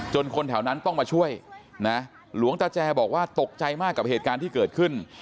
คนแถวนั้นต้องมาช่วยนะหลวงตาแจบอกว่าตกใจมากกับเหตุการณ์ที่เกิดขึ้น